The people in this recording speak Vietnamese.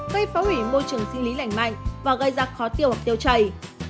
gây phá hủy môi trường sinh lý lành mạnh và gây ra khó tiêu hoặc tiêu chảy